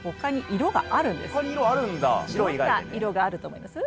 どんな色があると思います？